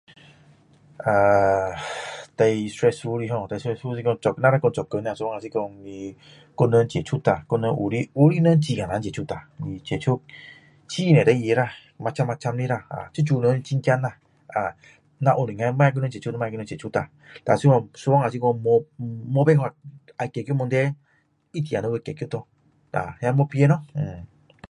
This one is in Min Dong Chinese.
啊 haiz 最 stressful 的 ho 最 stressful 的若若是说做工的话是说你跟人接触啦跟人有些有些人很难人接触啦接触很多事情啦 macam macam 的啦这种人很怕的啦啊若能够不要跟人接触就不要跟人接触啦然后是有时候没没办法要解决问题一定要去解决咯啊那没办法咯呃